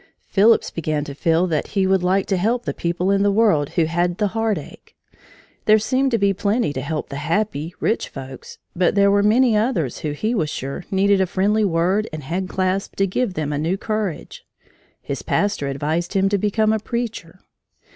Phillips began to feel that he would like to help the people in the world who had the heartache. There seemed to be plenty to help the happy, rich folks, but there were many others who he was sure needed a friendly word and hand clasp to give them new courage. His pastor advised him to become a preacher.